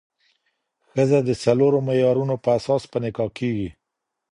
ښځه د څلورو معيارونو په اساس په نکاح کيږي